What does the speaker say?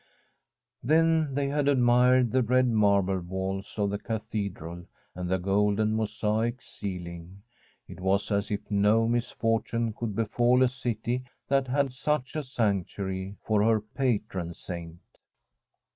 Then they had admired the red marble walls of the cathedral and the golden mosaic ceiling. It was as if no misfortune could befall a city that had such a sanctuary for her patron Saint.